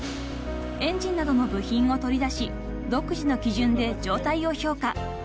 ［エンジンなどの部品を取り出し独自の基準で状態を評価］